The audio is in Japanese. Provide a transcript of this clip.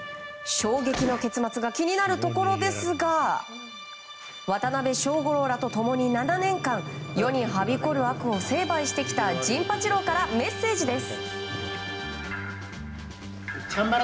衝撃の結末が気になるところですが渡辺小五郎らと共に７年間世にはびこる悪を成敗してきた陣八郎からメッセージです。